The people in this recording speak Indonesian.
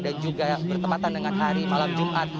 dan juga bertempatan dengan hari malam jumat